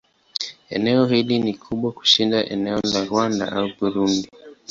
Eneo hili ni kubwa kushinda eneo la Rwanda au Burundi.